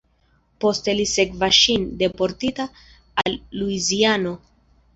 Poste li sekvas ŝin, deportita al Luiziano.